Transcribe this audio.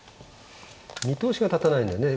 見通しが立たないんだよね